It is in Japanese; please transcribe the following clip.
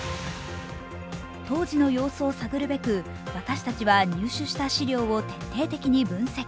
当時の様子を探るべく、私たちは入手した資料を徹底的に分析